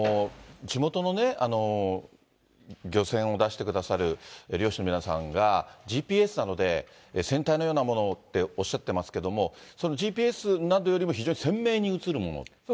地元の漁船を出してくださる漁師の皆さんが、ＧＰＳなどで、船体のようなものっておっしゃってますけども、そのＧＰＳなどよりも、非常に鮮明に映るもの？